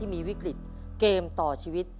มีวิกฤตเกมต่อชีวิต